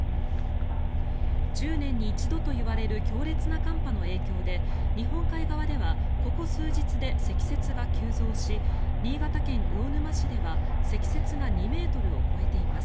１０年に一度といわれる強烈な寒波の影響で日本海側ではここ数日で積雪が急増し新潟県魚沼市では積雪が２ｍを超えています。